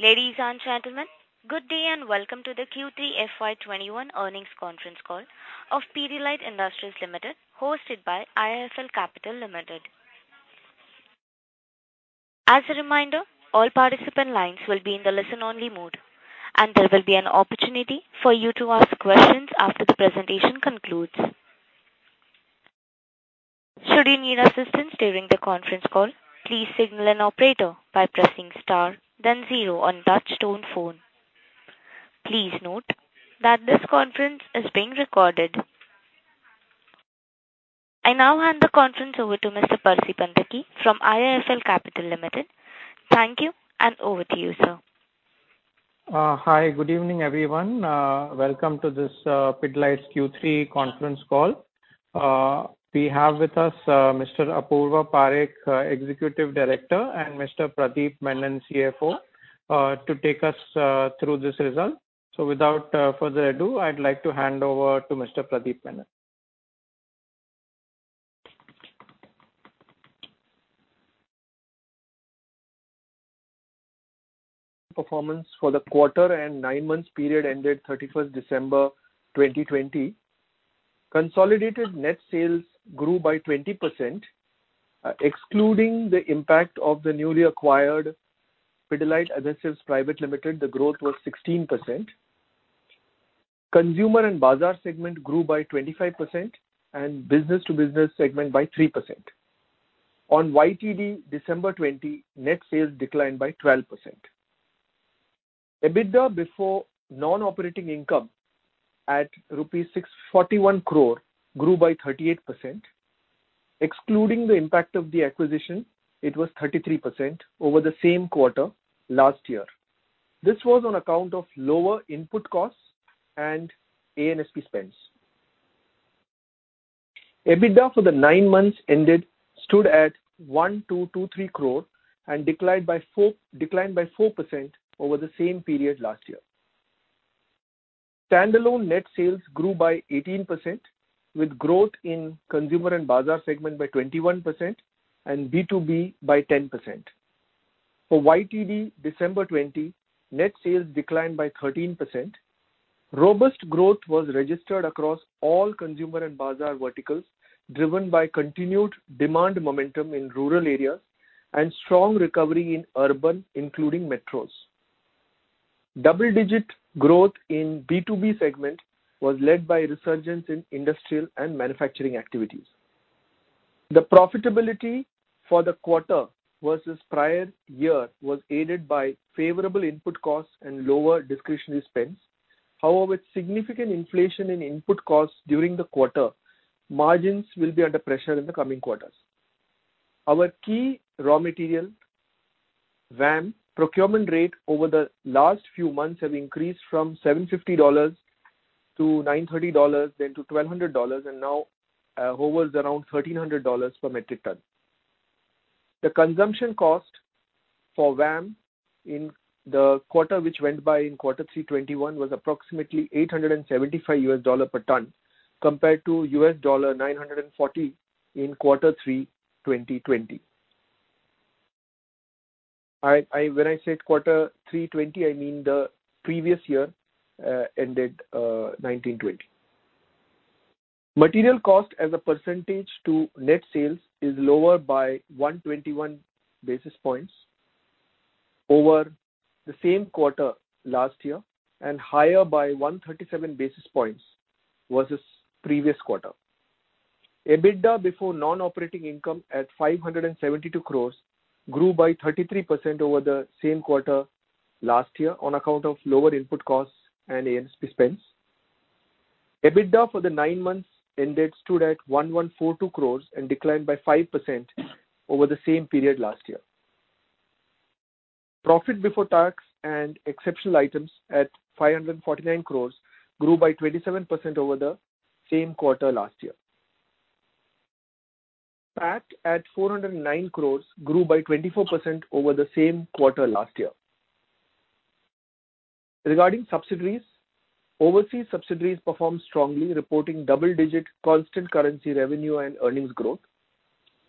Ladies and gentlemen, good day, and welcome to the Q3 FY 2021 earnings conference call of Pidilite Industries Limited, hosted by IIFL Capital Services Limited. As a reminder, all participant lines will be in the listen-only mode, and there will be an opportunity for you to ask questions after the presentation concludes. Should you need assistance during the conference call, please signal an operator by pressing star then zero on touch-tone phone. Please note that this conference is being recorded. I now hand the conference over to Mr. Percy Panthaki from IIFL Capital Services Limited. Thank you, and over to you, sir. Hi. Good evening, everyone. Welcome to this Pidilite Q3 conference call. We have with us Mr. Apurva Parekh, Executive Director, and Mr. Pradip Menon, CFO, to take us through this result. Without further ado, I'd like to hand over to Mr. Pradip Menon. Performance for the quarter and nine months period ended 31st December 2020. Consolidated net sales grew by 20%. Excluding the impact of the newly acquired Pidilite Adhesives Private Limited, the growth was 16%. Consumer and Bazaar segment grew by 25%, and business-to-business segment by 3%. On YTD December 2020, net sales declined by 12%. EBITDA before non-operating income at rupees 641 crore grew by 38%. Excluding the impact of the acquisition, it was 33% over the same quarter last year. This was on account of lower input costs and A&SP spends. EBITDA for the nine months ended stood at 1,223 crore and declined by 4% over the same period last year. Standalone net sales grew by 18%, with growth in Consumer and Bazaar segment by 21% and B2B by 10%. For YTD December 2020, net sales declined by 13%. Robust growth was registered across all Consumer and Bazaar verticals, driven by continued demand momentum in rural areas and strong recovery in urban, including metros. Double-digit growth in B2B segment was led by resurgence in industrial and manufacturing activities. The profitability for the quarter versus prior year was aided by favorable input costs and lower discretionary spends. Significant inflation in input costs during the quarter, margins will be under pressure in the coming quarters. Our key raw material, VAM, procurement rate over the last few months have increased from $750-$930, then to $1,200, and now hovers around $1,300 per metric ton. The consumption cost for VAM in the quarter which went by in quarter three '21 was approximately $875 per ton compared to US$940 in quarter three 2020. When I said quarter three '20, I mean the previous year ended 19/20. Material cost as a % to net sales is lower by 121 basis points over the same quarter last year, and higher by 137 basis points versus previous quarter. EBITDA before non-operating income at 572 crores grew by 33% over the same quarter last year on account of lower input costs and A&SP spends. EBITDA for the nine months ended stood at 1,142 crores and declined by 5% over the same period last year. Profit before tax and exceptional items at 549 crore grew by 27% over the same quarter last year. PAT at 409 crore grew by 24% over the same quarter last year. Regarding subsidiaries, overseas subsidiaries performed strongly, reporting double-digit constant currency revenue and earnings growth.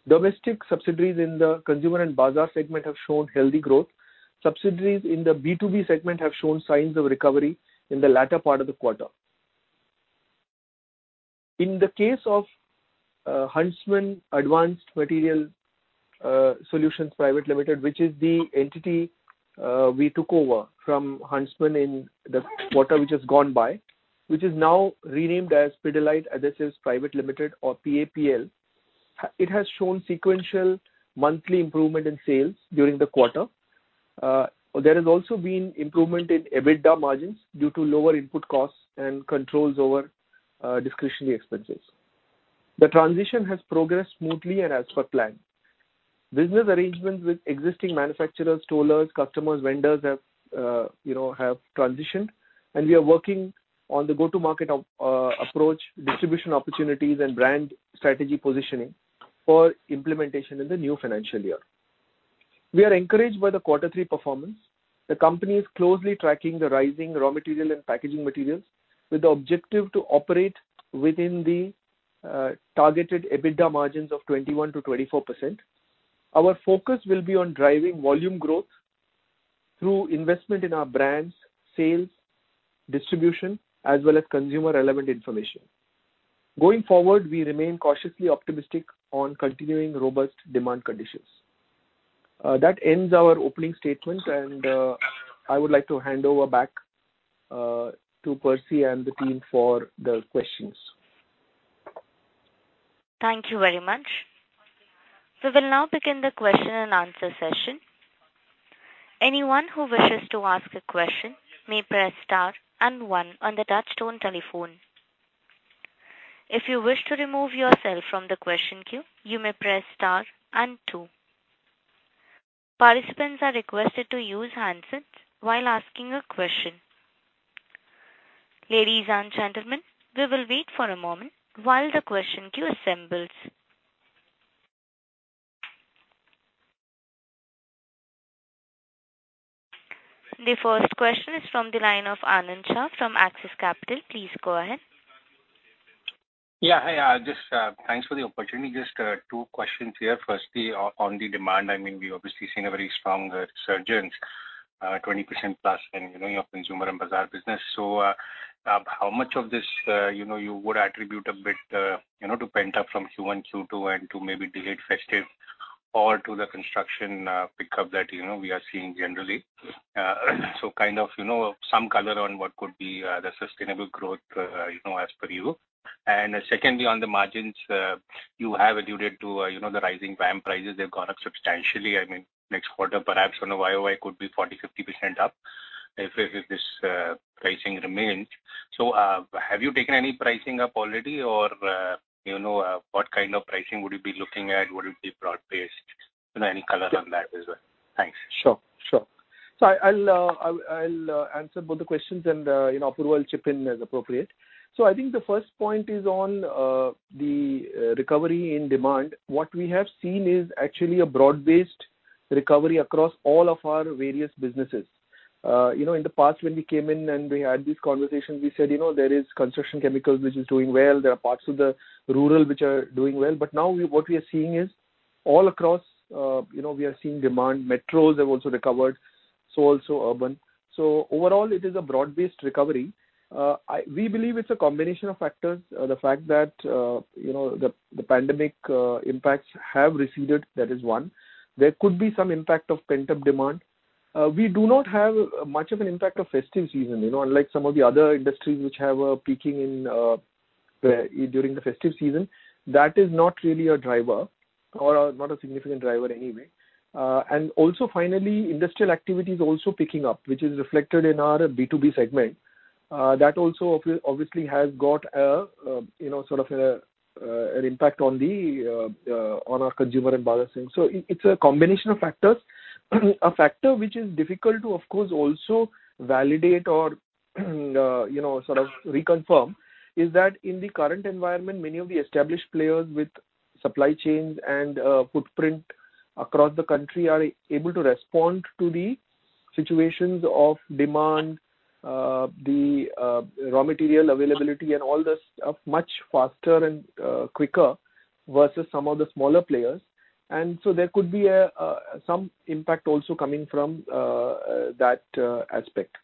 Domestic subsidiaries in the Consumer and Bazaar segment have shown healthy growth. Subsidiaries in the B2B segment have shown signs of recovery in the latter part of the quarter. In the case of Huntsman Advanced Materials Solutions Private Limited, which is the entity we took over from Huntsman in the quarter which has gone by, which is now renamed as Pidilite Adhesives Private Limited or PAPL, it has shown sequential monthly improvement in sales during the quarter. There has also been improvement in EBITDA margins due to lower input costs and controls over discretionary expenses. The transition has progressed smoothly and as per plan. Business arrangements with existing manufacturers, tollers, customers, vendors have transitioned, and we are working on the go-to-market approach, distribution opportunities, and brand strategy positioning for implementation in the new financial year. We are encouraged by the quarter three performance. The company is closely tracking the rising raw material and packaging materials with the objective to operate within the targeted EBITDA margins of 21%-24%. Our focus will be on driving volume growth through investment in our brands, sales, distribution, as well as consumer-relevant information. Going forward, we remain cautiously optimistic on continuing robust demand conditions. That ends our opening statement, and I would like to hand over back to Percy and the team for the questions. Thank you very much. We will now begin the question-and-answer session. Anyone who wishes to ask a question may press star and one on the touch-tone telephone. If you wish to remove yourself from the question queue, you may press star and two. Participants are requested to use handsets while asking a question. Ladies and gentlemen, we will wait for a moment while the question queue assembles. The first question is from the line of Anand Shah from Axis Capital. Please go ahead. Hi. Thanks for the opportunity. Just two questions here. Firstly, on the demand, we've obviously seen a very strong resurgence, 20%+ in your Consumer and Bazaar business. How much of this would you attribute a bit to pent up from Q1, Q2, and to maybe delayed festive or to the construction pickup that we are seeing generally? Kind of some color on what could be the sustainable growth as per you. Secondly, on the margins, you have alluded to the rising VAM prices. They've gone up substantially. Next quarter, perhaps on a YOY could be 40%-50% up if this pricing remains. Have you taken any pricing up already or what kind of pricing would you be looking at? Would it be broad-based? Any color on that as well? Thanks. Sure. I'll answer both the questions and Apurva will chip in as appropriate. I think the first point is on the recovery in demand. What we have seen is actually a broad-based recovery across all of our various businesses. In the past, when we came in and we had these conversations, we said, there is construction chemicals, which is doing well. There are parts of the rural which are doing well. Now what we are seeing is all across, we are seeing demand. Metros have also recovered, so also urban. Overall it is a broad-based recovery. We believe it's a combination of factors. The fact that the pandemic impacts have receded, that is one. There could be some impact of pent-up demand. We do not have much of an impact of festive season. Unlike some of the other industries which have a peaking during the festive season, that is not really a driver or not a significant driver anyway. Finally, industrial activity is also picking up, which is reflected in our B2B segment. That also obviously has got a sort of an impact on our Consumer and Bazaar segment. It's a combination of factors. A factor which is difficult to, of course, also validate or sort of reconfirm, is that in the current environment, many of the established players with supply chains and footprint across the country are able to respond to the situations of demand, the raw material availability, and all that stuff much faster and quicker versus some of the smaller players. There could be some impact also coming from that aspect.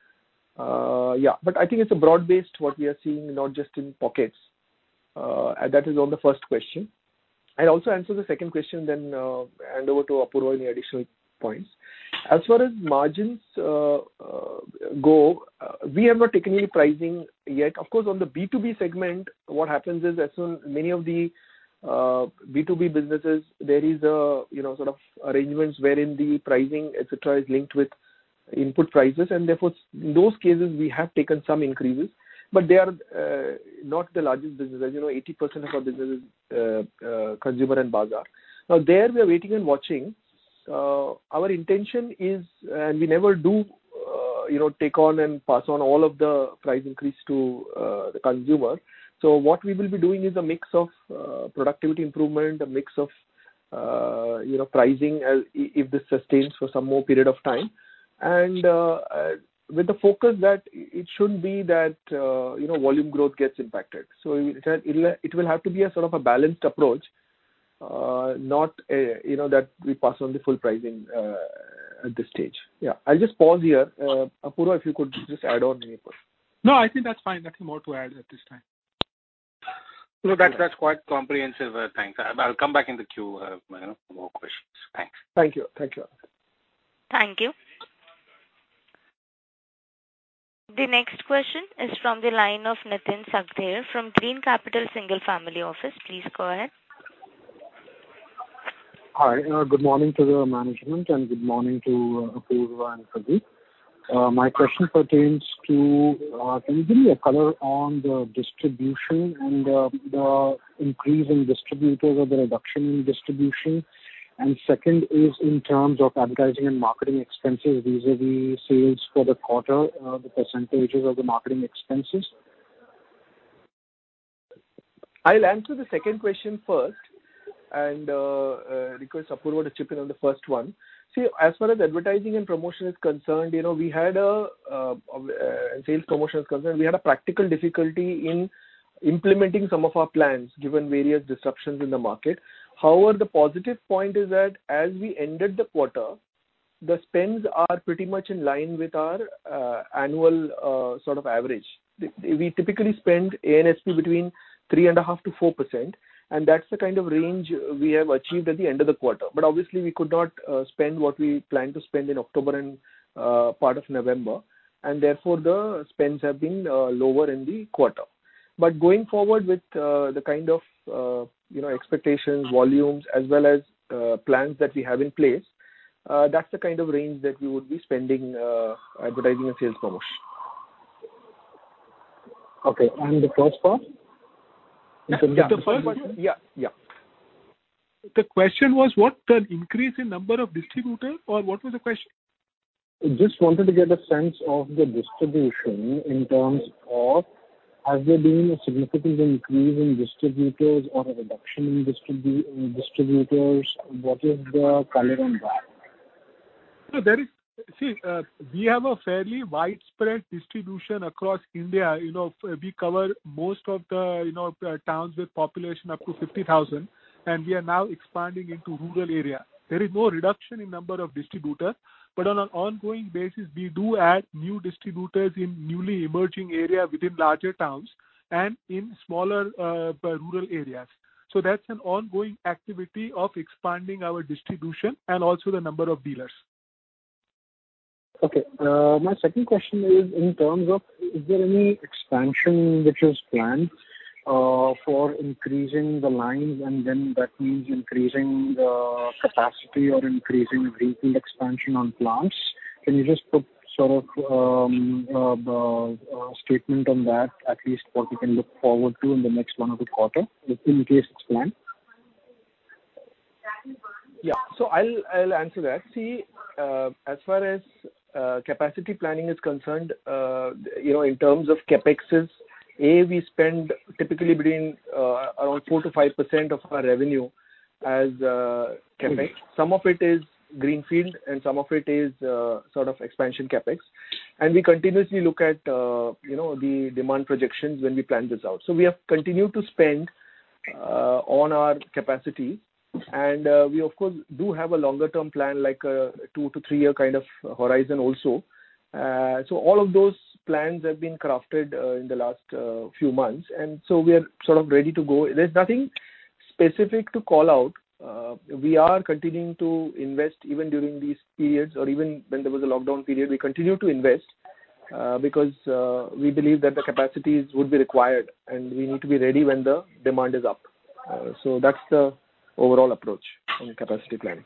I think it's broad-based, what we are seeing, not just in pockets. That is on the first question. I'll also answer the second question then hand over to Apurva any additional points. As far as margins go, we have not taken any pricing yet. Of course, on the B2B segment, what happens is many of the B2B businesses, there is a sort of arrangements wherein the pricing, et cetera, is linked with input prices, and therefore in those cases, we have taken some increases. They are not the largest businesses. 80% of our business is Consumer and Bazaar. There we are waiting and watching. Our intention is, and we never do take on and pass on all of the price increase to the consumer. What we will be doing is a mix of productivity improvement, a mix of pricing if this sustains for some more period of time, and with the focus that it shouldn't be that volume growth gets impacted. It will have to be a sort of a balanced approach, not that we pass on the full pricing at this stage. I will just pause here. Apurva, if you could just add on anything. I think that's fine. Nothing more to add at this time. No, that's quite comprehensive. Thanks. I'll come back in the queue for more questions. Thanks. Thank you. Thank you. The next question is from the line of Nitin Shakdher from Green Capital Single Family Office. Please go ahead. Hi. Good morning to the management and good morning to Apurva and Pradip. My question pertains to, can you give me a color on the distribution and the increase in distributors or the reduction in distribution? Second is in terms of advertising and marketing expenses vis-a-vis sales for the quarter, the percentages of the marketing expenses. I'll answer the second question first and request Apurva to chip in on the first one. See, as far as advertising and promotion is concerned, we had a practical difficulty in implementing some of our plans given various disruptions in the market. The positive point is that as we ended the quarter, the spends are pretty much in line with our annual sort of average. We typically spend A&SP between 3.5%-4%, and that's the kind of range we have achieved at the end of the quarter. Obviously we could not spend what we planned to spend in October and part of November, and therefore the spends have been lower in the quarter. Going forward with the kind of expectations, volumes as well as plans that we have in place, that's the kind of range that we would be spending Advertising and Sales Promotion. Okay. The first part? The first part. The question was what? The increase in number of distributors or what was the question? Just wanted to get a sense of the distribution in terms of has there been a significant increase in distributors or a reduction in distributors? What is the color on that? See, we have a fairly widespread distribution across India. We cover most of the towns with population up to 50,000, and we are now expanding into rural area. There is no reduction in number of distributors, but on an ongoing basis, we do add new distributors in newly emerging area within larger towns and in smaller rural areas. That's an ongoing activity of expanding our distribution and also the number of dealers. Okay. My second question is in terms of is there any expansion which is planned for increasing the lines and then that means increasing the capacity or increasing greenfield expansion on plants? Can you just put sort of a statement on that, at least what we can look forward to in the next one or two quarter in case it's planned? Yeah. I'll answer that. As far as capacity planning is concerned, in terms of CapEx, A, we spend typically between around 4%-5% of our revenue as CapEx. Some of it is greenfield and some of it is sort of expansion CapEx. We continuously look at the demand projections when we plan this out. We have continued to spend on our capacity. We of course, do have a longer term plan, like a two to three-year kind of horizon also. All of those plans have been crafted in the last few months, we are sort of ready to go. There's nothing specific to call out. We are continuing to invest even during these periods or even when there was a lockdown period, we continued to invest because we believe that the capacities would be required, and we need to be ready when the demand is up. That's the overall approach on capacity planning.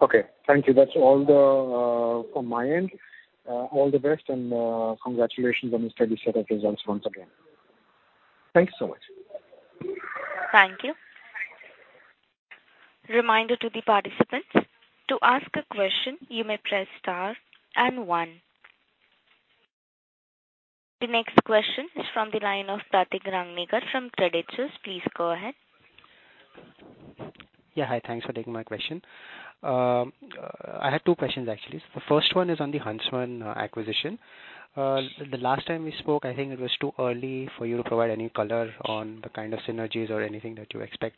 Okay. Thank you. That is all from my end. All the best and congratulations on the steady set of results once again. Thanks so much. Thank you. Reminder to the participants, to ask a question, you may press star and one. The next question is from the line of Kartik Rangnekar from Credit Suisse. Please go ahead. Hi, thanks for taking my question. I had two questions actually. The first one is on the Huntsman acquisition. The last time we spoke, I think it was too early for you to provide any color on the kind of synergies or anything that you expect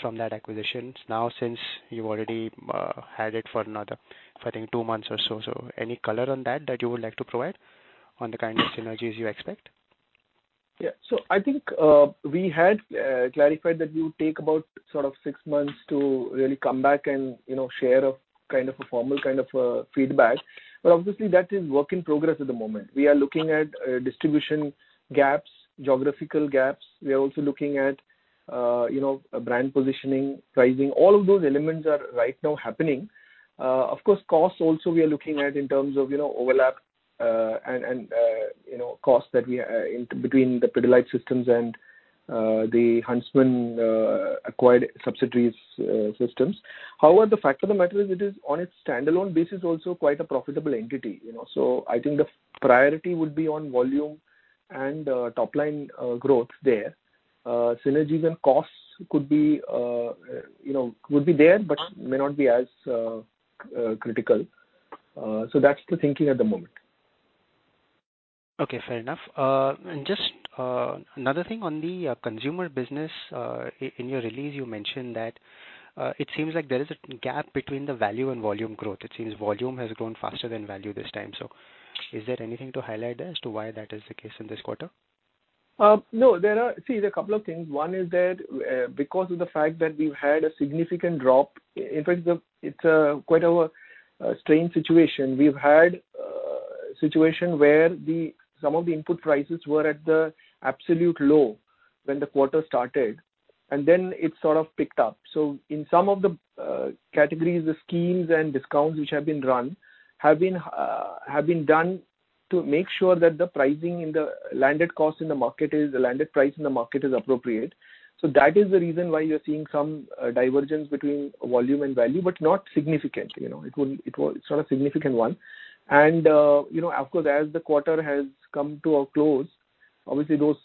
from that acquisition. Since you've already had it for I think two months or so, any color on that that you would like to provide on the kind of synergies you expect? I think we had clarified that we would take about six months to really come back and share a formal feedback. Obviously that is work in progress at the moment. We are looking at distribution gaps, geographical gaps. We are also looking at brand positioning, pricing. All of those elements are right now happening. Of course, costs also we are looking at in terms of overlap and costs between the Pidilite systems and the Huntsman acquired subsidiaries systems. However, the fact of the matter is it is on its standalone basis also quite a profitable entity. I think the priority would be on volume and top line growth there. Synergies and costs could be there but may not be as critical. That's the thinking at the moment. Okay. Fair enough. Just another thing on the consumer business. In your release, you mentioned that it seems like there is a gap between the value and volume growth. It seems volume has grown faster than value this time. Is there anything to highlight as to why that is the case in this quarter? No. See, there are a couple of things. One is that because of the fact that we've had a significant drop, in fact, it's quite of a strange situation. We've had a situation where some of the input prices were at the absolute low when the quarter started, and then it sort of picked up. In some of the categories, the schemes and discounts which have been run have been done to make sure that the landed price in the market is appropriate. That is the reason why you're seeing some divergence between volume and value, but not significantly. It's not a significant one. Of course, as the quarter has come to a close, obviously those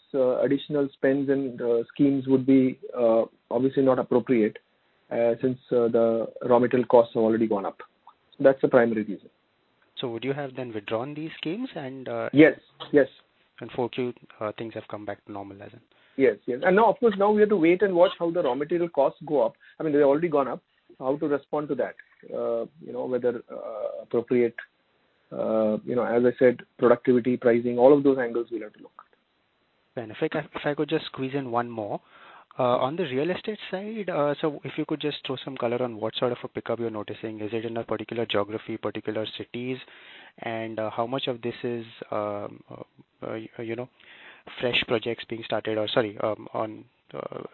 additional spends and schemes would be obviously not appropriate since the raw material costs have already gone up. That's the primary reason. Would you have then withdrawn these schemes? Yes. For Q4 things have come back to normal as in. Yes. Now, of course, now we have to wait and watch how the raw material costs go up. I mean, they've already gone up. How to respond to that, whether appropriate, as I said, productivity, pricing, all of those angles we'll have to look. Fantastic. If I could just squeeze in one more. On the real estate side, if you could just throw some color on what sort of a pickup you're noticing. Is it in a particular geography, particular cities, and how much of this is fresh projects being started or, sorry, on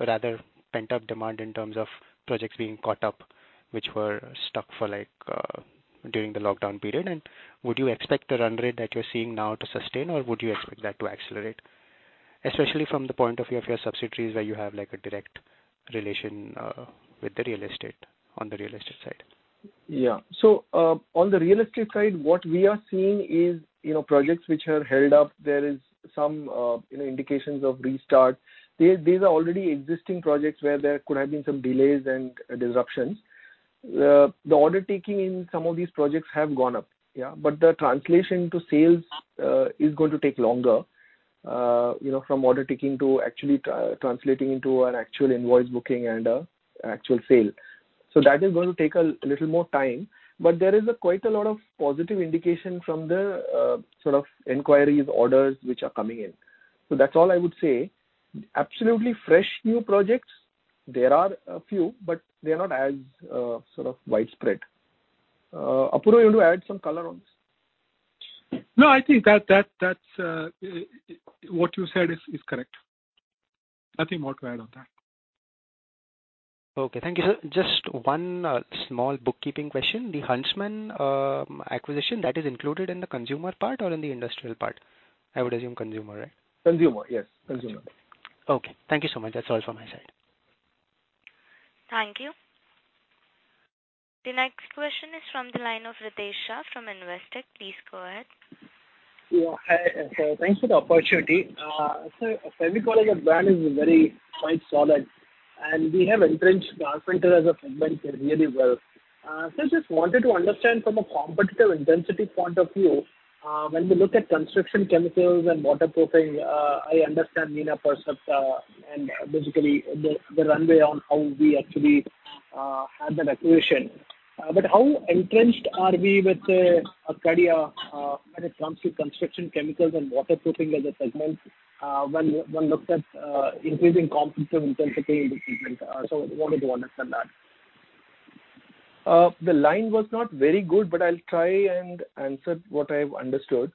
rather pent-up demand in terms of projects being caught up, which were stuck for during the lockdown period, and would you expect the run rate that you're seeing now to sustain, or would you expect that to accelerate? Especially from the point of view of your subsidiaries, where you have a direct relation with the real estate on the real estate side? Yeah. On the real estate side, what we are seeing is projects which are held up, there is some indications of restart. These are already existing projects where there could have been some delays and disruptions. The order taking in some of these projects have gone up. Yeah. The translation to sales is going to take longer from order taking to actually translating into an actual invoice booking and a actual sale. That is going to take a little more time, but there is quite a lot of positive indication from the inquiries, orders which are coming in. That's all I would say. Absolutely fresh new projects, there are a few, but they're not as widespread. Apurva, you want to add some color on this? No, I think what you said is correct. Nothing more to add on that. Okay. Thank you, sir. Just one small bookkeeping question. The Huntsman acquisition, that is included in the consumer part or in the industrial part? I would assume consumer, right? Consumer. Yes. Consumer. Okay. Thank you so much. That's all from my side. Thank you. The next question is from the line of Ritesh Shah from Investec. Please go ahead. Yeah. Hi. Thanks for the opportunity. Sir, Fevicol as a brand is quite solid, and we have entrenched arpenter as a segment really well. I just wanted to understand from a competitive intensity point of view, when we look at construction chemicals and waterproofing, I understand Nina Percept and basically the runway on how we actually had that acquisition. How entrenched are we with Dr. Fixit when it comes to construction chemicals and waterproofing as a segment when one looks at increasing competitive intensity in this segment? Wanted to understand that. The line was not very good. I'll try and answer what I've understood.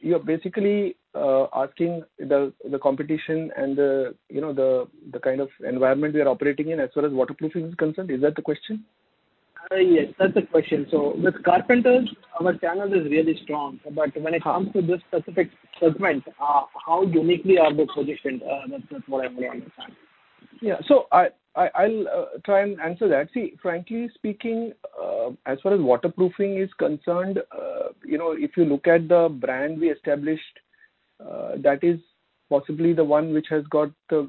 You're basically asking the competition and the kind of environment we are operating in as far as waterproofing is concerned. Is that the question? Yes, that's the question. With Carpenter, our channel is really strong. When it comes to this specific segment, how uniquely are they positioned? That's what I want to understand. Yeah. I'll try and answer that. See, frankly speaking, as far as waterproofing is concerned, if you look at the brand we established, that is possibly the one which has got a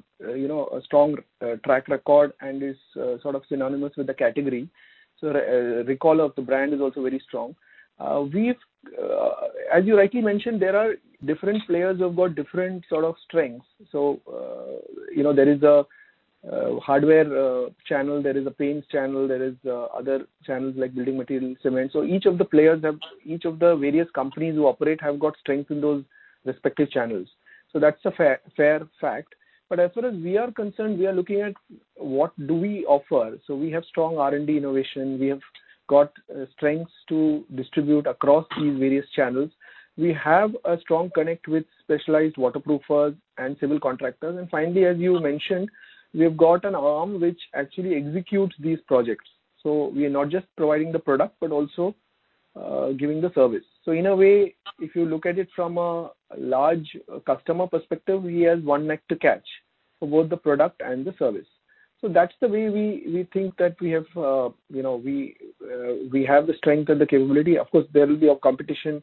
strong track record and is sort of synonymous with the category. Recall of the brand is also very strong. As you rightly mentioned, there are different players who've got different sort of strengths. There is a hardware channel, there is a paints channel, there is other channels like building material, cement. Each of the various companies who operate have got strength in those respective channels. That's a fair fact. As far as we are concerned, we are looking at what do we offer. We have strong R&D innovation. We have got strengths to distribute across these various channels. We have a strong connect with specialized waterproofers and civil contractors. Finally, as you mentioned, we've got an arm which actually executes these projects. we are not just providing the product, but also giving the service. in a way, if you look at it from a large customer perspective, we have one neck to catch for both the product and the service. that's the way we think that we have the strength and the capability. Of course, there will be a competition,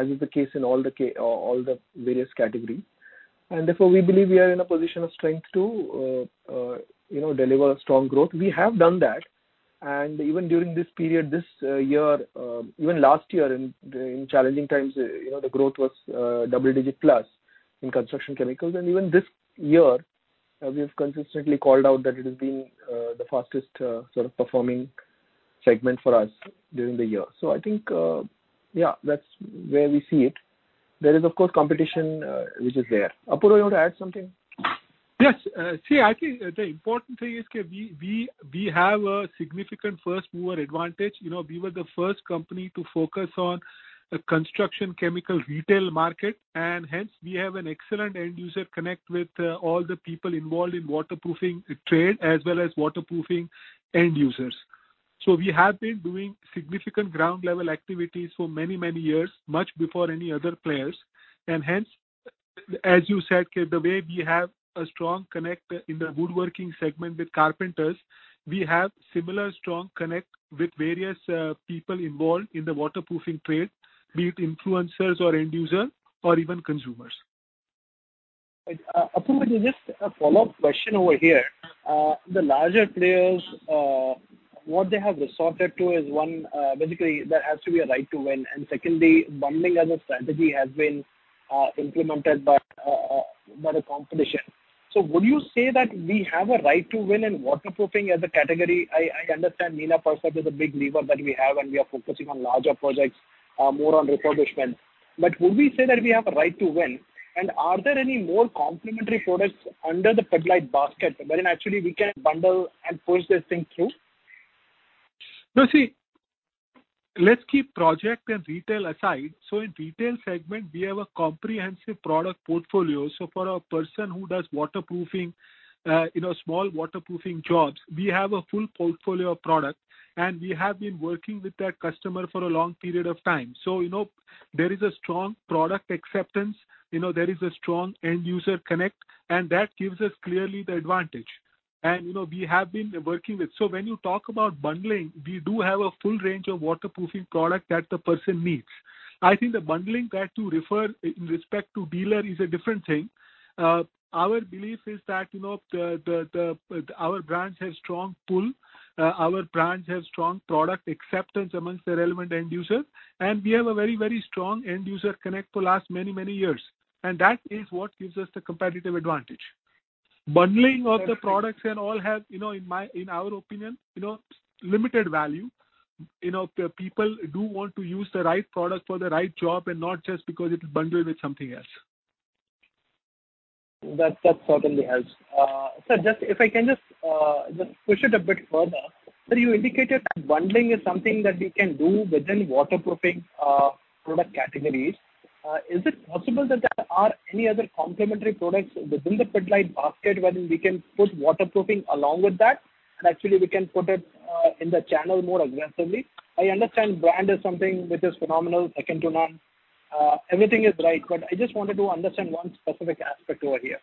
as is the case in all the various category. Therefore, we believe we are in a position of strength to deliver a strong growth. We have done that, and even during this period, this year, even last year in challenging times, the growth was double-digit plus in construction chemicals. Even this year, we have consistently called out that it has been the fastest performing segment for us during the year. I think, yeah, that's where we see it. There is, of course, competition which is there. Apurva, you want to add something? Yes. I think the important thing is we have a significant first-mover advantage. We were the first company to focus on a construction chemical retail market. We have an excellent end user connect with all the people involved in waterproofing trade as well as waterproofing end users. We have been doing significant ground-level activities for many, many years, much before any other players. As you said, the way we have a strong connect in the woodworking segment with carpenters, we have similar strong connect with various people involved in the waterproofing trade, be it influencers or end user or even consumers. Right. Apurva, just a follow-up question over here. The larger players, what they have resorted to is, one, basically there has to be a right to win, and secondly, bundling as a strategy has been implemented by the competition. Would you say that we have a right to win in waterproofing as a category? I understand Nina Percept is a big lever that we have and we are focusing on larger projects, more on refurbishment. Would we say that we have a right to win? Are there any more complementary products under the Pidilite basket wherein actually we can bundle and push this thing through? No. See, let's keep project and retail aside. In retail segment, we have a comprehensive product portfolio. For a person who does waterproofing, small waterproofing jobs, we have a full portfolio of product, and we have been working with that customer for a long period of time. There is a strong product acceptance. There is a strong end user connect, and that gives us clearly the advantage. When you talk about bundling, we do have a full range of waterproofing product that the person needs. I think the bundling that you refer in respect to dealer is a different thing. Our belief is that our brands have strong pull, our brands have strong product acceptance amongst the relevant end user, and we have a very strong end user connect for last many years. That is what gives us the competitive advantage. Bundling of the products and all have, in our opinion, limited value. People do want to use the right product for the right job and not just because it is bundled with something else. That certainly helps. Sir, if I can just push it a bit further. Sir, you indicated that bundling is something that we can do within waterproofing product categories. Is it possible that there are any other complementary products within the Pidilite basket wherein we can push waterproofing along with that, and actually we can put it in the channel more aggressively? I understand brand is something which is phenomenal, second to none. Everything is right, but I just wanted to understand one specific aspect over here.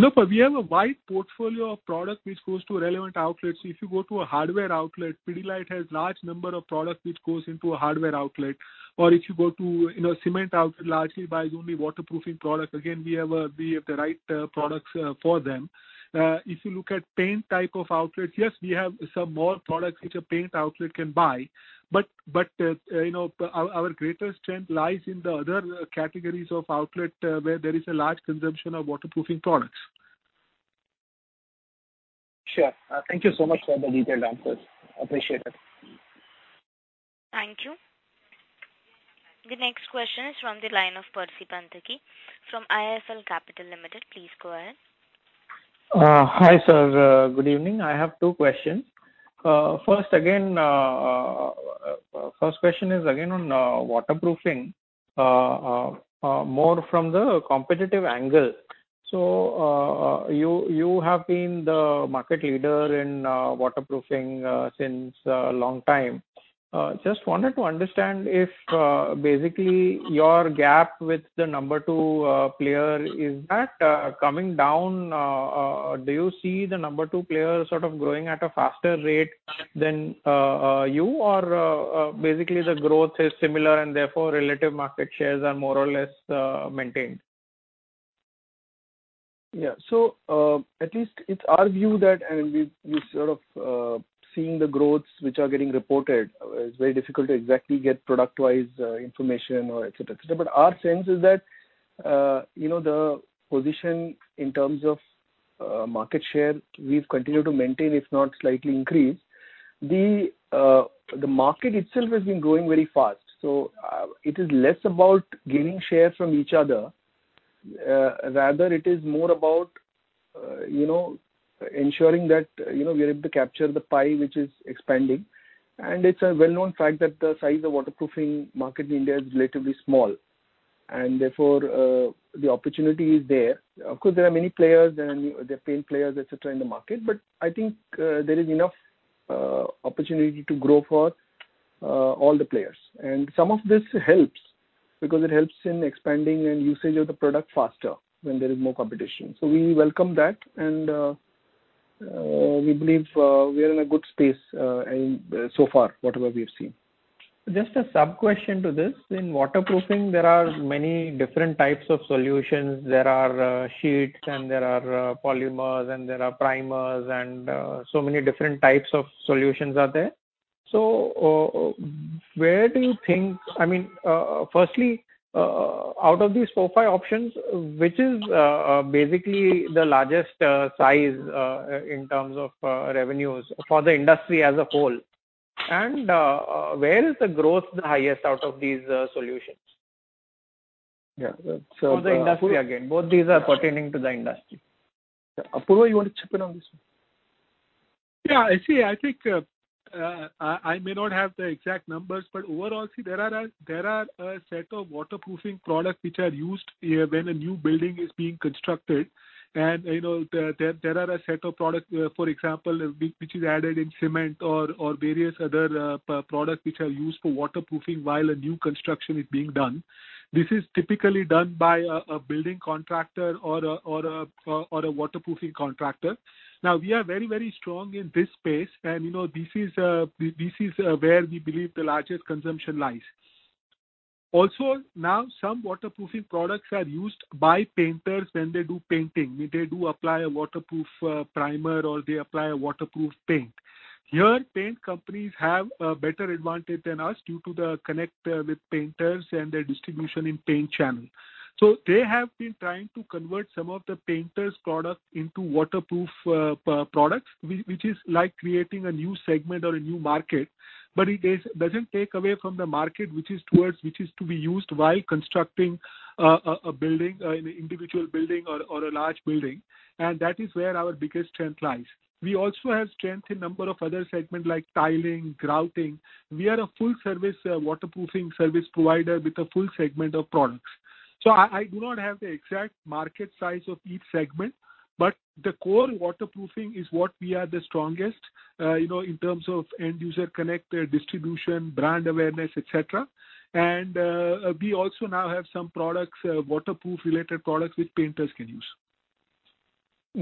Look, we have a wide portfolio of product which goes to relevant outlets. If you go to a hardware outlet, Pidilite has large number of products which goes into a hardware outlet. If you go to cement outlet largely buys only waterproofing product. Again, we have the right products for them. If you look at paint type of outlets, yes, we have some more products which a paint outlet can buy. Our greatest strength lies in the other categories of outlet where there is a large consumption of waterproofing products. Sure. Thank you so much for the detailed answers. Appreciate it. Thank you. The next question is from the line of Percy Panthaki from IIFL Capital Limited. Please go ahead. Hi, sir. Good evening. I have two questions. First question is again on waterproofing, more from the competitive angle. You have been the market leader in waterproofing since a long time. Just wanted to understand if basically your gap with the number two player is that coming down, do you see the number two player sort of growing at a faster rate than you or basically the growth is similar and therefore relative market shares are more or less maintained? Yeah. At least it's our view that, and we sort of seeing the growths which are getting reported, it's very difficult to exactly get product-wise information or et cetera. Our sense is that the position in terms of market share we've continued to maintain, if not slightly increased. The market itself has been growing very fast. It is less about gaining shares from each other. Rather, it is more about ensuring that we are able to capture the pie which is expanding. It's a well-known fact that the size of waterproofing market in India is relatively small, and therefore the opportunity is there. Of course, there are many players and there are paint players, et cetera, in the market, but I think there is enough opportunity to grow for all the players. Some of this helps because it helps in expanding and usage of the product faster when there is more competition. We welcome that, and we believe we are in a good space so far, whatever we have seen. Just a sub-question to this. In waterproofing, there are many different types of solutions. There are sheets and there are polymers and there are primers and so many different types of solutions are there. Firstly, out of these four, five options, which is basically the largest size in terms of revenues for the industry as a whole, and where is the growth the highest out of these solutions? Yeah. For the industry again. Both these are pertaining to the industry. Apurva, you want to chip in on this one? Yeah. See, I think I may not have the exact numbers, but overall, there are a set of waterproofing products which are used when a new building is being constructed and there are a set of products, for example, which are added in cement or various other products which are used for waterproofing while a new construction is being done. This is typically done by a building contractor or a waterproofing contractor. Now we are very strong in this space and this is where we believe the largest consumption lies. Also, now some waterproofing products are used by painters when they do painting. They do apply a waterproof primer or they apply a waterproof paint. Here paint companies have a better advantage than us due to the connect with painters and their distribution in paint channel. They have been trying to convert some of the painters' product into waterproof products, which is like creating a new segment or a new market, but it doesn't take away from the market which is to be used while constructing a building, an individual building or a large building. That is where our biggest strength lies. We also have strength in number of other segments like tiling, grouting. We are a full service waterproofing service provider with a full segment of products. I do not have the exact market size of each segment, but the core waterproofing is what we are the strongest in terms of end user connect, distribution, brand awareness, et cetera. We also now have some waterproof related products which painters can use.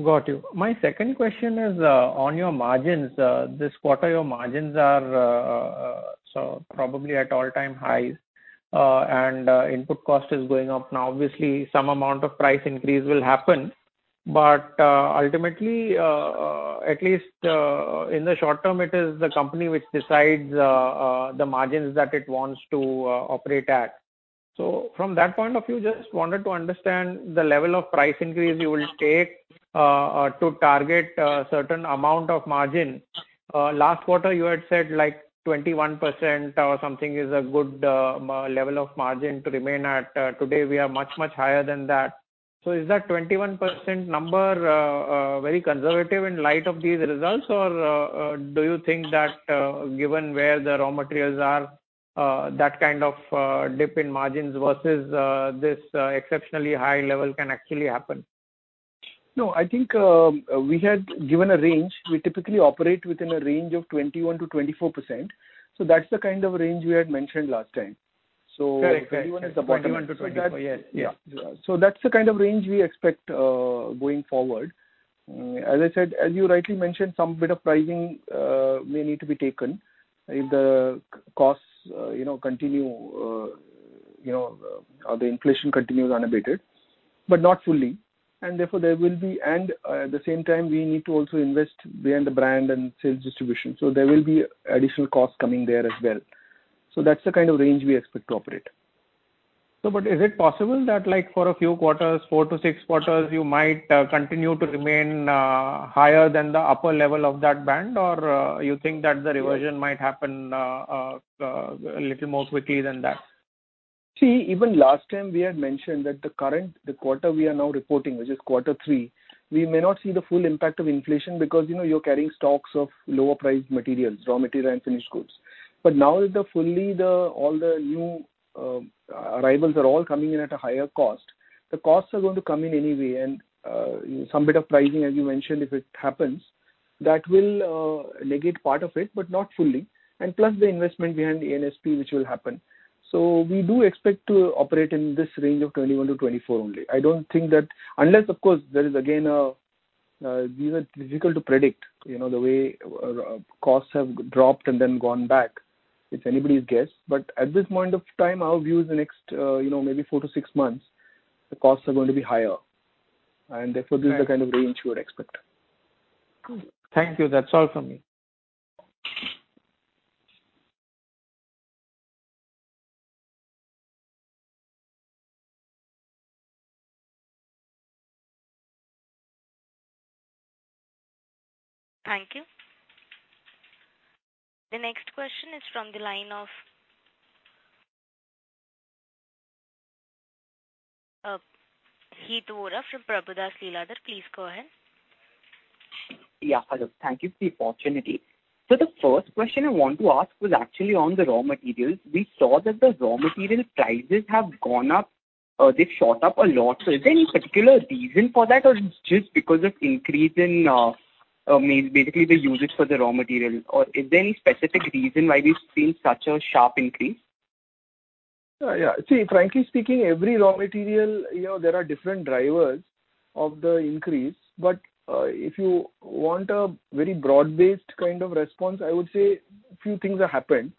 Got you. My second question is on your margins. This quarter your margins are probably at all-time highs and input cost is going up. Obviously, some amount of price increase will happen, but ultimately, at least in the short term, it is the company which decides the margins that it wants to operate at. From that point of view, just wanted to understand the level of price increase you will take to target a certain amount of margin. Last quarter you had said 21% or something is a good level of margin to remain at. Today we are much higher than that. Is that 21% number very conservative in light of these results? Do you think that given where the raw materials are, that kind of dip in margins versus this exceptionally high level can actually happen? I think we had given a range. We typically operate within a range of 21%-24%. That's the kind of range we had mentioned last time. Correct. 21%-24%, yes. That's the kind of range we expect going forward. As you rightly mentioned, some bit of pricing may need to be taken if the costs continue or the inflation continues unabated, but not fully. At the same time we need to also invest behind the brand and sales distribution. There will be additional costs coming there as well. That's the kind of range we expect to operate. Is it possible that for a few quarters, four to six quarters, you might continue to remain higher than the upper level of that band? Or you think that the reversion might happen a little more quickly than that? Even last time we had mentioned that the quarter we are now reporting, which is Q3, we may not see the full impact of inflation because you're carrying stocks of lower priced materials, raw material and finished goods. Now that all the new arrivals are all coming in at a higher cost, the costs are going to come in anyway and some bit of pricing, as you mentioned, if it happens, that will negate part of it, but not fully, and plus the investment behind A&SP which will happen. We do expect to operate in this range of 21-24 only. These are difficult to predict, the way costs have dropped and then gone back. It's anybody's guess, but at this point of time, our view is the next maybe four to six months, the costs are going to be higher, and therefore this is the kind of range we would expect. Thank you. That's all from me. Thank you. The next question is from the line of Heet Vora from Prabhudas Lilladher. Please go ahead. Yeah, hello. Thank you for the opportunity. The first question I want to ask was actually on the raw materials. We saw that the raw material prices have gone up or they've shot up a lot. Is there any particular reason for that or it's just because of increase in basically the usage for the raw material? Is there any specific reason why we've seen such a sharp increase? Yeah. See, frankly speaking, every raw material, there are different drivers of the increase. If you want a very broad-based kind of response, I would say a few things have happened.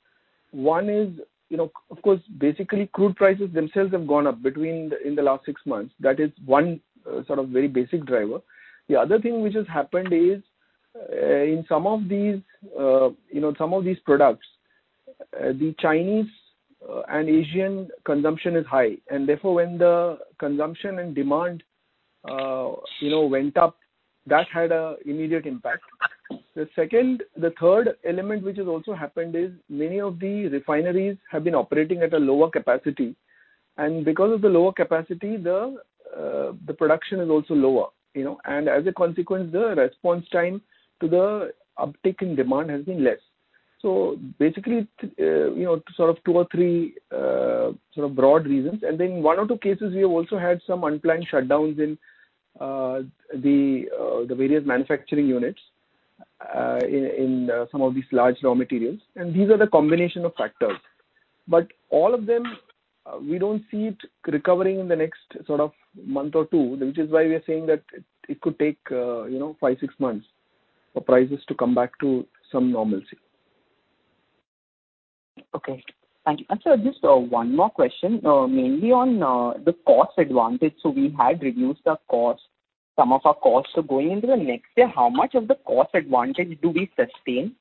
One is, of course, basically crude prices themselves have gone up in the last six months. That is one sort of very basic driver. The other thing which has happened is in some of these products, the Chinese and Asian consumption is high, and therefore when the consumption and demand went up, that had a immediate impact. The third element which has also happened is many of the refineries have been operating at a lower capacity. Because of the lower capacity, the production is also lower. As a consequence, the response time to the uptick in demand has been less. Basically, sort of two or three broad reasons. In one or two cases, we have also had some unplanned shutdowns in the various manufacturing units in some of these large raw materials, and these are the combination of factors. All of them, we don't see it recovering in the next month or two, which is why we are saying that it could take five, six months for prices to come back to some normalcy. Okay. Thank you. Sir, just one more question, mainly on the cost advantage. We had reduced some of our costs. Going into the next year, how much of the cost advantage do we sustain?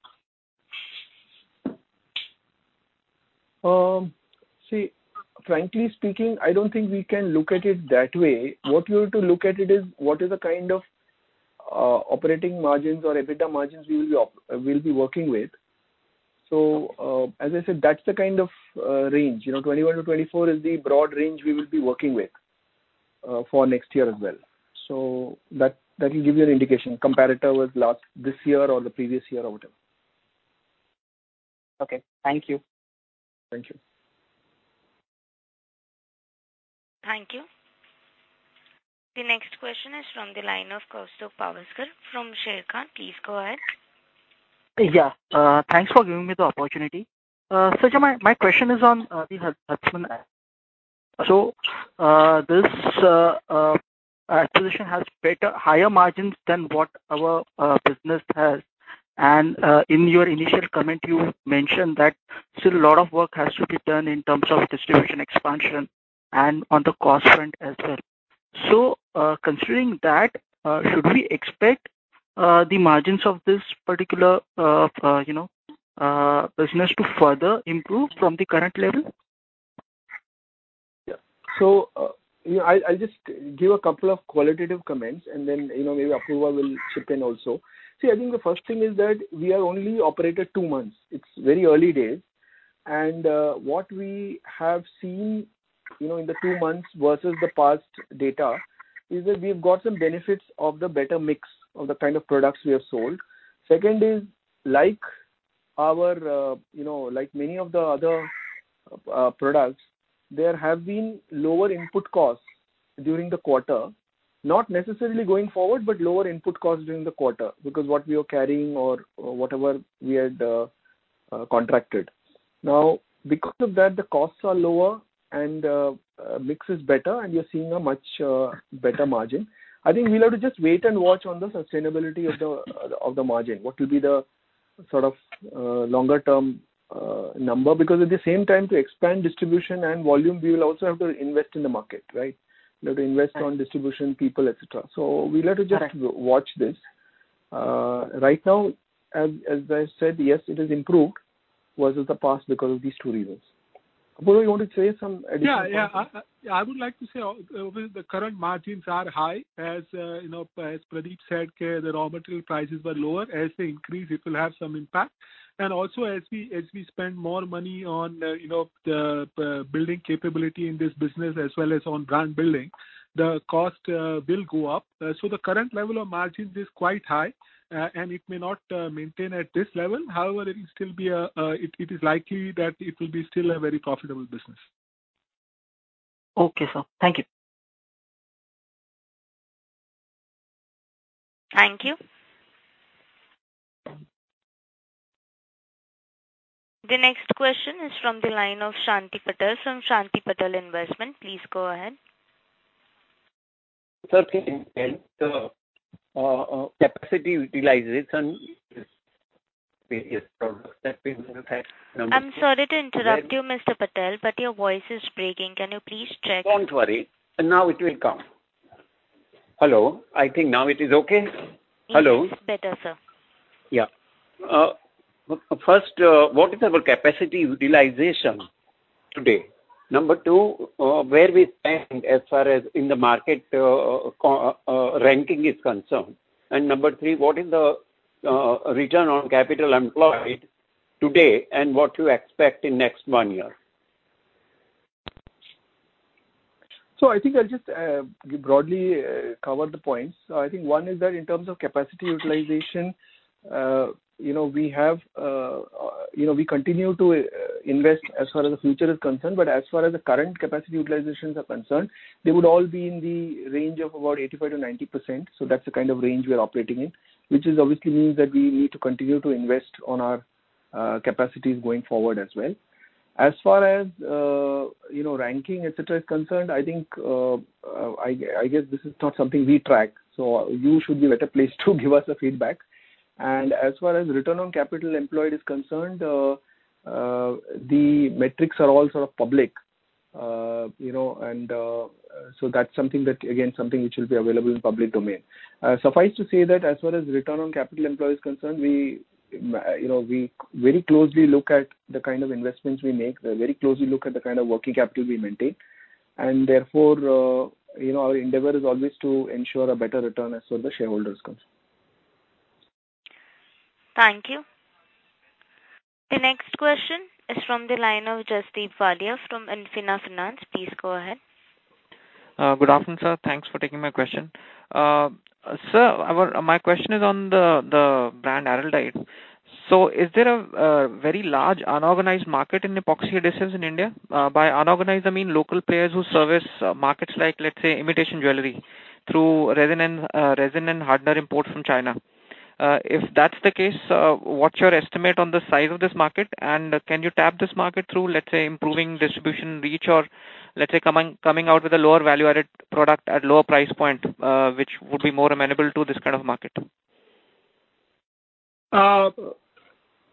Frankly speaking, I don't think we can look at it that way. What we have to look at it is, what is the kind of operating margins or EBITDA margins we will be working with. As I said, that's the kind of range. 21-24 is the broad range we will be working with for next year as well. That will give you an indication, comparator with this year or the previous year, or whatever. Okay. Thank you. Thank you. Thank you. The next question is from the line of Kaustubh Pawaskar from Sharekhan. Please go ahead. Yeah. Thanks for giving me the opportunity. My question is on the Huntsman. This acquisition has higher margins than what our business has. In your initial comment, you mentioned that still a lot of work has to be done in terms of distribution expansion and on the cost front as well. Considering that, should we expect the margins of this particular business to further improve from the current level? Yeah. I'll just give a couple of qualitative comments and then maybe Apurva will chip in also. See, I think the first thing is that we have only operated two months. It's very early days. What we have seen in the two months versus the past data is that we've got some benefits of the better mix of the kind of products we have sold. Second is, like many of the other products, there have been lower input costs during the quarter. Not necessarily going forward, lower input costs during the quarter, because what we were carrying or whatever we had contracted. Now, because of that, the costs are lower, the mix is better, we are seeing a much better margin. I think we'll have to just wait and watch on the sustainability of the margin. What will be the sort of longer-term number. At the same time to expand distribution and volume, we will also have to invest in the market, right? We have to invest on distribution, people, et cetera. We will have to just watch this. Right now, as I said, yes, it has improved versus the past because of these two reasons. Apurva, you want to say some additional points? I would like to say, the current margins are high, as Pradip said, the raw material prices were lower. As they increase, it will have some impact. Also, as we spend more money on the building capability in this business, as well as on brand building, the cost will go up. The current level of margins is quite high, and it may not maintain at this level. However, it is likely that it will be still a very profitable business. Okay, sir. Thank you. Thank you. The next question is from the line of Shanti Patel from Shanti Patel Investments. Please go ahead. Sir, can you tell the capacity utilization various products that we would have had. I'm sorry to interrupt you, Mr. Patel, but your voice is breaking. Can you please check? Don't worry. Now it will come. Hello, I think now it is okay. Hello. Yes. Better, sir. Yeah. First, what is our capacity utilization today? Number two, where we stand as far as in the market ranking is concerned. Number three, what is the return on capital employed today, and what you expect in next one year? I think I'll just broadly cover the points. I think one is that in terms of capacity utilization, we continue to invest as far as the future is concerned, but as far as the current capacity utilizations are concerned, they would all be in the range of about 85%-90%. That's the kind of range we are operating in. Which obviously means that we need to continue to invest on our capacities going forward as well. As far as ranking, et cetera, is concerned, I guess this is not something we track. You should be better placed to give us a feedback. As far as return on capital employed is concerned, the metrics are all sort of public. That's, again, something which will be available in public domain. Suffice to say that as far as return on capital employed is concerned, we very closely look at the kind of investments we make. We very closely look at the kind of working capital we maintain, and therefore, our endeavor is always to ensure a better return as far as the shareholders are concerned. Thank you. The next question is from the line of Jasdeep Walia from Infina Finance. Please go ahead. Good afternoon, sir. Thanks for taking my question. Sir, my question is on the brand Araldite. Is there a very large unorganized market in epoxy adhesives in India? By unorganized, I mean local players who service markets like, let's say, imitation jewelry through resin and hardener import from China. If that's the case, what's your estimate on the size of this market, and can you tap this market through, let's say, improving distribution reach or coming out with a lower value-added product at a lower price point, which would be more amenable to this kind of market?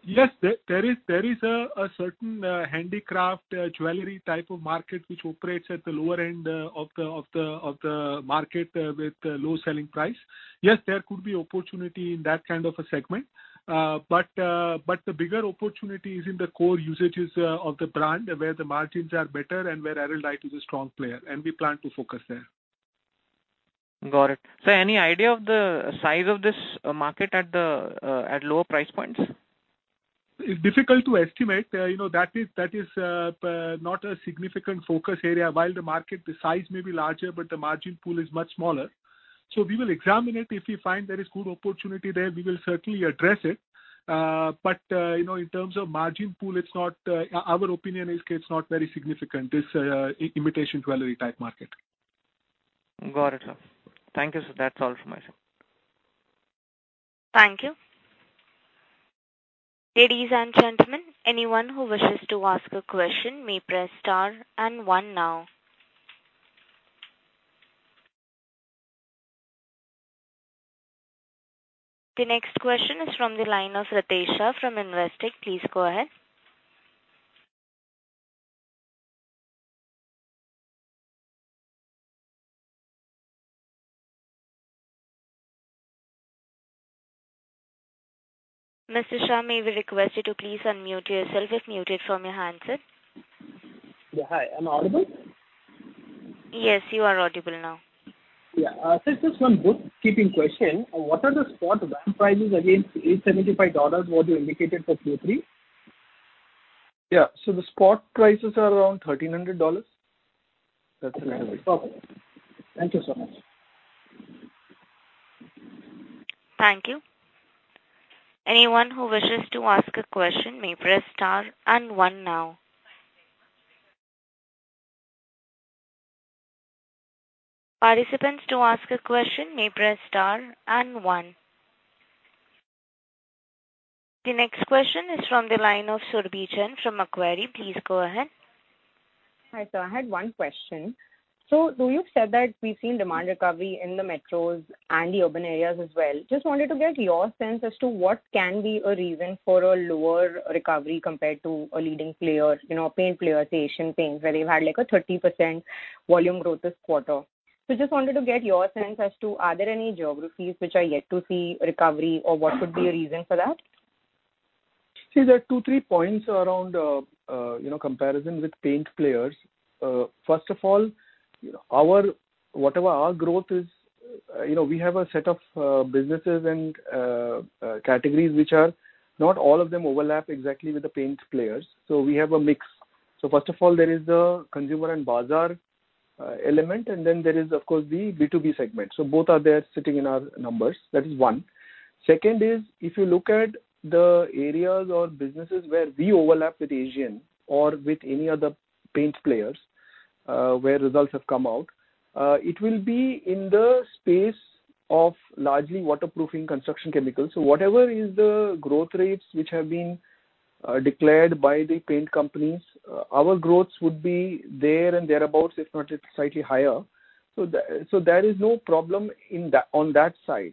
Yes, there is a certain handicraft jewelry type of market which operates at the lower end of the market with a low selling price. Yes, there could be opportunity in that kind of a segment. The bigger opportunity is in the core usages of the brand, where the margins are better and where Araldite is a strong player, and we plan to focus there. Got it. Sir, any idea of the size of this market at lower price points? It's difficult to estimate. That is not a significant focus area. While the market size may be larger, but the margin pool is much smaller. We will examine it. If we find there is good opportunity there, we will certainly address it. In terms of margin pool, our opinion is it's not very significant, this imitation jewelry type market. Got it, sir. Thank you, sir. That's all from my side. Thank you. Ladies and gentlemen, anyone who wishes to ask a question may press star and one now. The next question is from the line of Ritesh Shah from Investec. Please go ahead. Mr. Shah, may we request you to please unmute yourself if muted from your handset. Yeah. Hi. Am I audible? Yes, you are audible now. Yeah. Sir, just one bookkeeping question. What are the spot VAM prices against $875, what you indicated for Q3? Yeah. The spot prices are around $1,300. That is what I had. Okay. Thank you so much. Thank you. Anyone who wishes to ask a question may press star and one now. Participants to ask a question press star and one. The next question is from the line of Surbhi Jain from Macquarie. Please go ahead. Hi, sir. I had one question. You've said that we've seen demand recovery in the metros and the urban areas as well. Just wanted to get your sense as to what can be a reason for a lower recovery compared to a leading player, paint player, say Asian Paints, where they've had a 30% volume growth this quarter. Just wanted to get your sense as to are there any geographies which are yet to see recovery, or what could be a reason for that? See, there are two, three points around comparison with paint players. First of all, whatever our growth is, we have a set of businesses and categories which are not all of them overlap exactly with the paint players. We have a mix. First of all, there is a Consumer and Bazaar element, and then there is, of course, the B2B segment. Both are there sitting in our numbers. That is one. Second is, if you look at the areas or businesses where we overlap with Asian or with any other paint players, where results have come out, it will be in the space of largely waterproofing construction chemicals. Whatever is the growth rates which have been declared by the paint companies, our growth would be there and thereabouts, if not slightly higher. There is no problem on that side,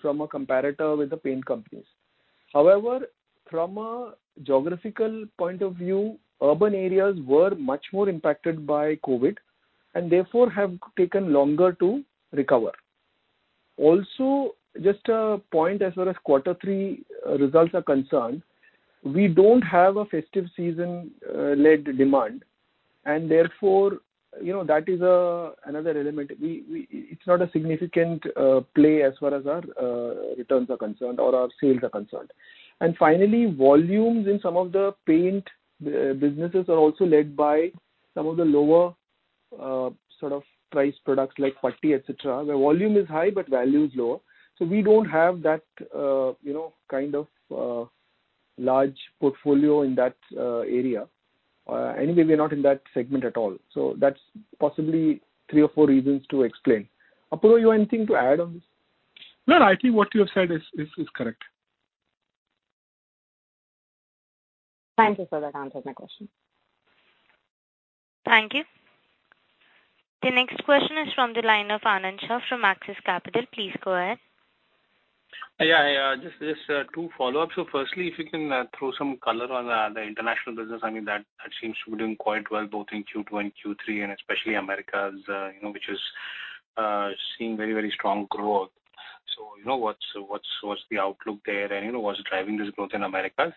from a comparator with the paint companies. However, from a geographical point of view, urban areas were much more impacted by COVID, and therefore have taken longer to recover. Also, just a point as far as quarter three results are concerned, we don't have a festive season-led demand, and therefore, that is another element. It's not a significant play as far as our returns are concerned or our sales are concerned. Finally, volumes in some of the paint businesses are also led by some of the lower price products like putty, et cetera, where volume is high, but value is lower. We don't have that kind of large portfolio in that area. Anyway, we're not in that segment at all. That's possibly three or four reasons to explain. Apurva, you have anything to add on this? No, I think what you have said is correct. Thank you, sir. That answers my question. Thank you. The next question is from the line of Anand Shah from Axis Capital. Please go ahead. Yeah. Just two follow-ups. Firstly, if you can throw some color on the international business. That seems to be doing quite well, both in Q2 and Q3, and especially Americas which is seeing very strong growth. What's the outlook there, and what's driving this growth in Americas?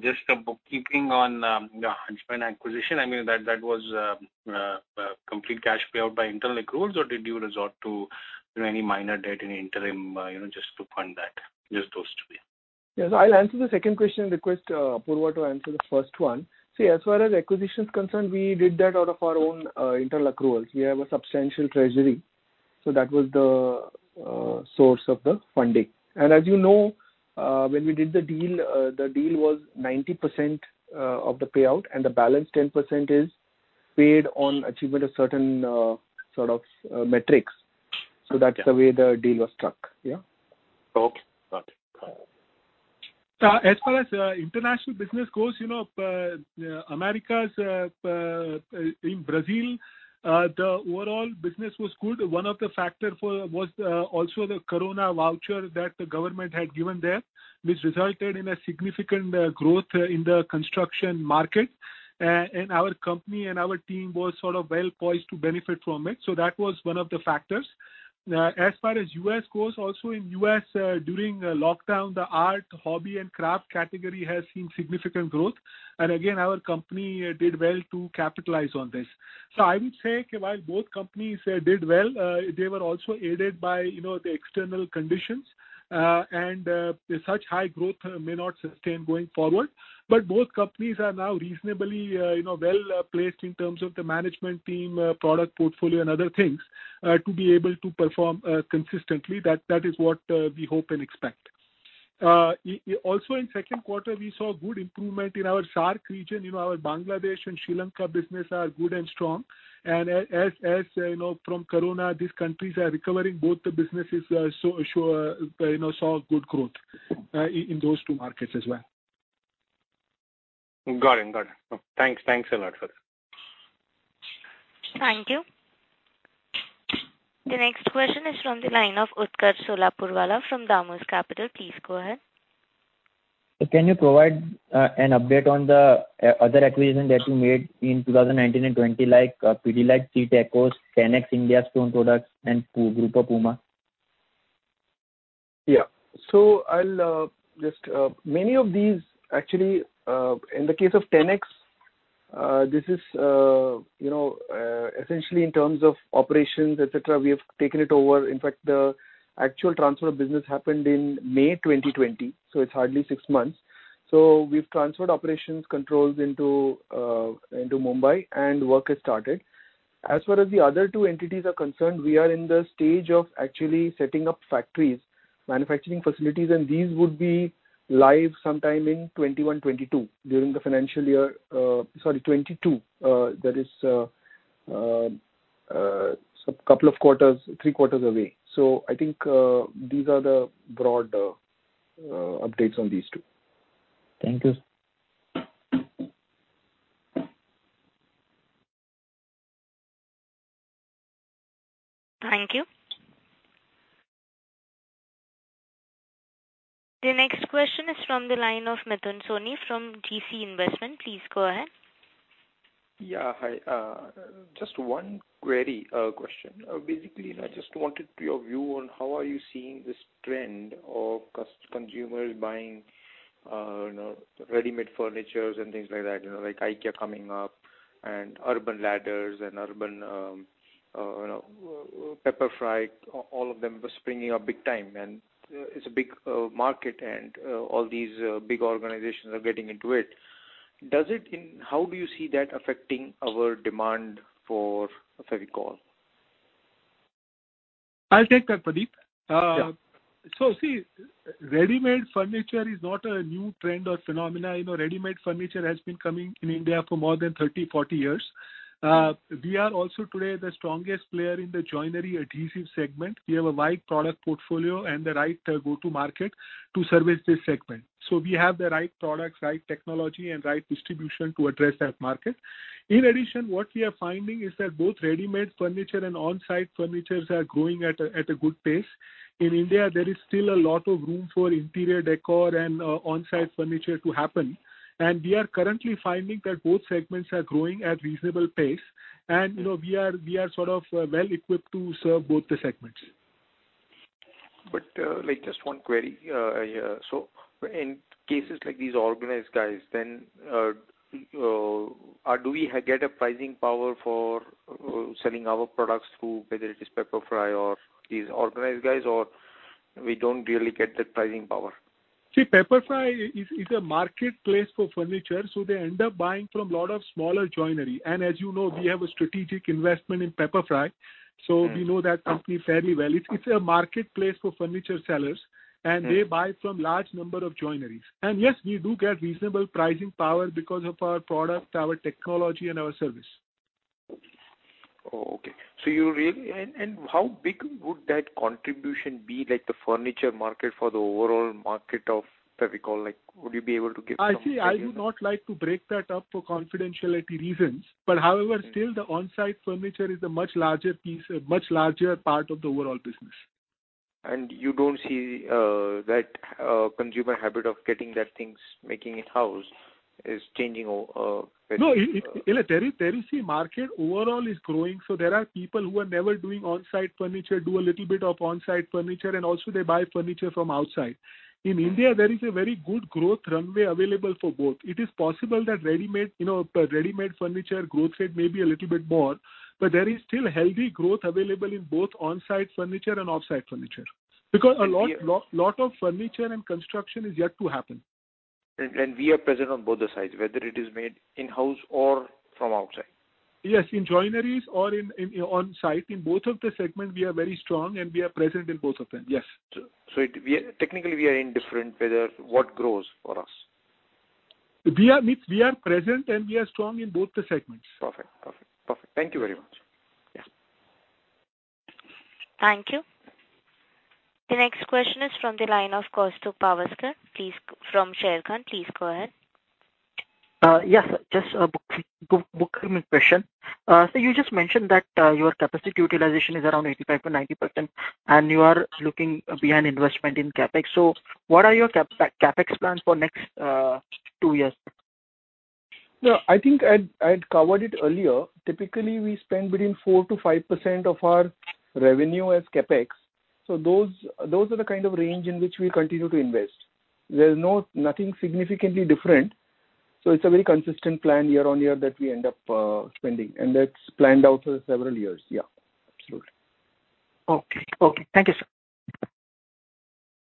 Just a bookkeeping on the Huntsman acquisition. That was a complete cash payout by internal accruals, or did you resort to any minor debt, any interim, just to fund that. Just those two. Yes, I'll answer the second question and request Apurva to answer the first one. As far as acquisition is concerned, we did that out of our own internal accruals. We have a substantial treasury, so that was the source of the funding. As you know, when we did the deal, the deal was 90% of the payout, and the balance 10% is paid on achievement of certain sort of metrics. That's the way the deal was struck. Okay, got it. As far as international business goes, Americas, in Brazil, the overall business was good. One of the factor was also the corona voucher that the government had given there, which resulted in a significant growth in the construction market. Our company and our team was well-poised to benefit from it, so that was one of the factors. As far as U.S. goes, also in U.S., during lockdown, the art, hobby, and craft category has seen significant growth. Again, our company did well to capitalize on this. I would say, while both companies did well, they were also aided by the external conditions, and such high growth may not sustain going forward. Both companies are now reasonably well-placed in terms of the management team, product portfolio, and other things, to be able to perform consistently. That is what we hope and expect. In second quarter, we saw good improvement in our SAARC region. Our Bangladesh and Sri Lanka business are good and strong. As from corona, these countries are recovering, both the businesses saw good growth in those two markets as well. Got it. Thanks a lot, sir. Thank you. The next question is from the line of Utkarsh Solapurwala from DAM Capital. Please go ahead. Can you provide an update on the other acquisition that you made in 2019 and 2020, like Pidilite, CIPY Polyurethanes, Tenax India Stone Products, and Grupo Puma? Yeah. Many of these actually, in the case of Tenax, this is essentially in terms of operations, et cetera, we have taken it over. In fact, the actual transfer of business happened in May 2020, so it is hardly six months. We have transferred operations controls into Mumbai, and work has started. As far as the other two entities are concerned, we are in the stage of actually setting up factories, manufacturing facilities, and these would be live sometime in 2021, 2022, during the financial year 2022. That is couple of quarters, three quarters away. I think these are the broad updates on these two. Thank you. Thank you. The next question is from the line of Mithun Soni from GeeCee Investments. Please go ahead. Yeah, hi. Just one query, question. Basically, I just wanted your view on how are you seeing this trend of consumers buying ready-made furnitures and things like that. Like IKEA coming up, and Urban Ladder, and Pepperfry, all of them springing up big time. It's a big market, and all these big organizations are getting into it. How do you see that affecting our demand for Fevicol? I'll take that, Pradip. Yeah. See, ready-made furniture is not a new trend or phenomena. Ready-made furniture has been coming in India for more than 30, 40 years. We are also today the strongest player in the joinery adhesive segment. We have a wide product portfolio and the right go-to market to service this segment. We have the right products, right technology, and right distribution to address that market. In addition, what we are finding is that both ready-made furniture and on-site furniture are growing at a good pace. In India, there is still a lot of room for interior decor and on-site furniture to happen, and we are currently finding that both segments are growing at reasonable pace. We are sort of well-equipped to serve both the segments. Just one query. In cases like these organized guys, then do we get a pricing power for selling our products through, whether it is Pepperfry or these organized guys, or we don't really get that pricing power? See, Pepperfry is a marketplace for furniture, so they end up buying from a lot of smaller joinery. As you know, we have a strategic investment in Pepperfry, so we know that company fairly well. It's a marketplace for furniture sellers, and they buy from large number of joineries. Yes, we do get reasonable pricing power because of our product, our technology, and our service. Okay. How big would that contribution be, like the furniture market for the overall market of Fevicol? Would you be able to give some figure? I do not like to break that up for confidentiality reasons. However, still the on-site furniture is a much larger part of the overall business. You don't see that consumer habit of getting their things, making it house is changing over? No. There you see market overall is growing, so there are people who were never doing on-site furniture, do a little bit of on-site furniture, and also they buy furniture from outside. In India, there is a very good growth runway available for both. It is possible that ready-made furniture growth rate may be a little bit more, but there is still healthy growth available in both on-site furniture and off-site furniture. Because a lot of furniture and construction is yet to happen. We are present on both the sides, whether it is made in-house or from outside? Yes. In joineries or on-site, in both of the segments, we are very strong, and we are present in both of them. Yes. Technically, we are indifferent whether what grows for us. We are present and we are strong in both the segments. Perfect. Thank you very much. Yeah. Thank you. The next question is from the line of Kaustubh Pawaskar from Sharekhan. Please go ahead. Yes. Just a bookkeeping question. Sir, you just mentioned that your capacity utilization is around 85%-90%, and you are looking beyond investment in CapEx. What are your CapEx plans for next two years? I think I had covered it earlier. Typically, we spend between 4%-5% of our revenue as CapEx. Those are the kind of range in which we continue to invest. There's nothing significantly different. It's a very consistent plan year-on-year that we end up spending, and that's planned out for several years. Yeah, absolutely. Okay. Thank you, sir.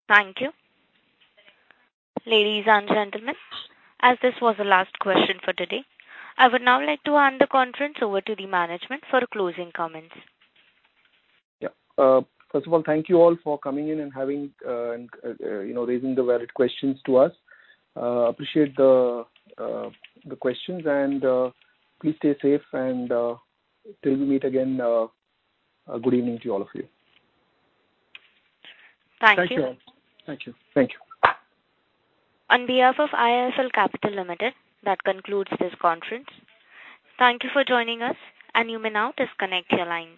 Thank you. Ladies and gentlemen, as this was the last question for today, I would now like to hand the conference over to the management for closing comments. Yeah. First of all, thank you all for coming in and raising the valid questions to us. Appreciate the questions. Please stay safe and till we meet again, good evening to all of you. Thank you. Thank you. On behalf of IIFL Capital Limited, that concludes this conference. Thank you for joining us, and you may now disconnect your lines.